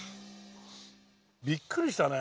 びっくりしたね。